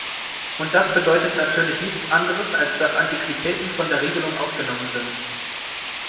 Und das bedeutet natürlich nichts anderes, als dass Antiquitäten von der Regelung ausgenommen sind.